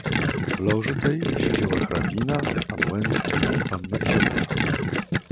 "W loży tej siedziała hrabina, pan Łęcki i panna Izabela."